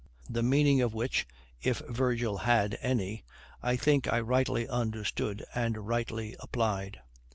The meaning of which, if Virgil had any, I think I rightly understood, and rightly applied.